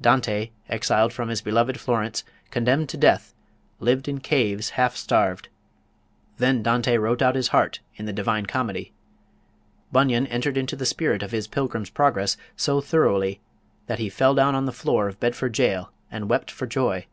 Dante, exiled from his beloved Florence, condemned to death, lived in caves, half starved; then Dante wrote out his heart in "The Divine Comedy." Bunyan entered into the spirit of his "Pilgrim's Progress" so thoroughly that he fell down on the floor of Bedford jail and wept for joy.